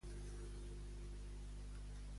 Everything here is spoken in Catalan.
Els Buhos em fan vibrar?